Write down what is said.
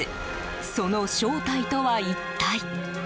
その正体とは、一体？